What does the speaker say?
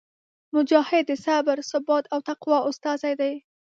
مجاهد د صبر، ثبات او تقوا استازی دی.